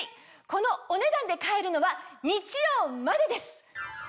このお値段で買えるのは日曜までです！